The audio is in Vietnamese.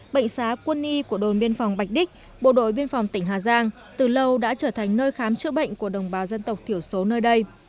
bệnh xá quân y của đồn biên phòng bạch bộ đội biên phòng tỉnh hà giang từ lâu đã trở thành nơi khám chữa bệnh của đồng bào dân tộc thiểu số nơi đây